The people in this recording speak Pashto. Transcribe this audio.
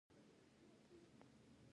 زه قومي استازیتوب نه منم.